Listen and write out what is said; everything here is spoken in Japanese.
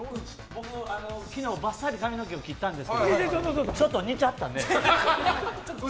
僕、昨日ばっさり髪の毛を切ったんですけどちょっと似ちゃったんで。